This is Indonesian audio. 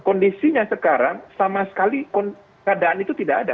kondisinya sekarang sama sekali keadaan itu tidak ada